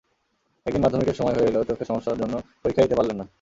একদিন মাধ্যমিকের সময় হয়ে এলেও চোখের সমস্যার জন্য পরীক্ষা দিতে পারলেন না।